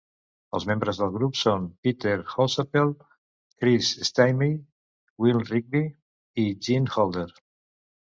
Els membres del grup són Peter Holsapple, Chris Stamey, Will Rigby i Gene Holder.